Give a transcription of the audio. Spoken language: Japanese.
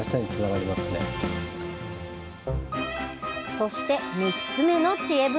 そして３つ目のちえ袋。